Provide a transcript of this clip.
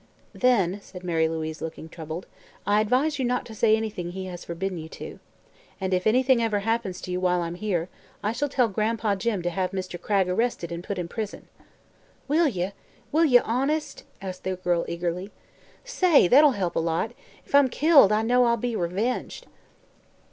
"Then," said Mary Louise, looking troubled, "I advise you not to say anything he has forbidden you to. And, if anything ever happens to you while I'm here, I shall tell Gran'pa Jim to have Mr. Cragg arrested and put in prison." "Will ye? Will ye honest?" asked the girl eagerly. "Say! that'll help a lot. If I'm killed, I'll know I'll be revenged."